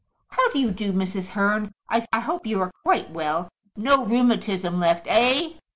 How do you do, Mrs. Hearn? I hope you are quite well. No rheumatism left, eh?"